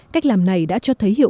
cách làm này đã cho tất cả các dữ liệu